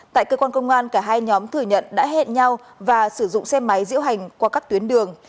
tại cơ quan công an cả hai nhóm thừa nhận đã hẹn nhau và sử dụng xe máy diễu hành qua các tuyến đường